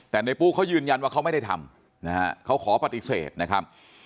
แต่ในปุ๊เขายืนยันว่าเขาไม่ได้ทำนะฮะเขาขอปฏิเสธนะครับ